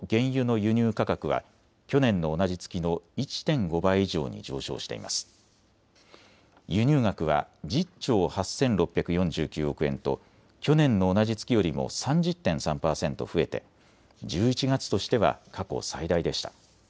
輸入額は１０兆８６４９億円と去年の同じ月よりも３０．３％増えて１１月としては過去最大でした。